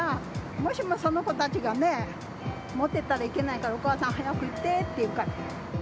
もしもその子たちがね、持ってたらいけないから、お母さん、早く行ってっていうから。